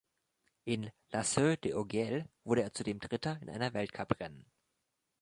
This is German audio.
In La Seu d’Urgell wurde er zudem dritter in einer Weltcup-Rennen.